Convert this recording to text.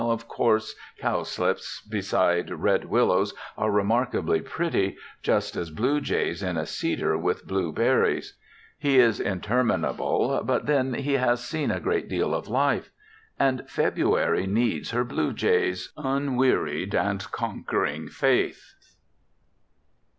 Of course cowslips beside red willows are remarkably pretty, just as blue jays in a cedar with blue berries.... He is interminable, but then he has seen a great deal of life. And February needs her blue jays' unwearied and conquering faith.